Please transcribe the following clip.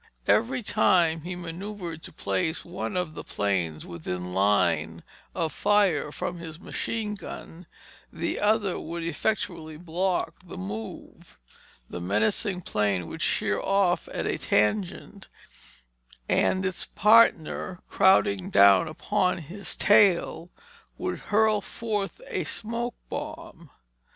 Every time he maneuvered to place one of the planes within line of fire from his machine gun, the other would effectually block the move; the menacing plane would sheer off at a tangent and its partner, crowding down upon his tail, would hurl forth a smoke bomb.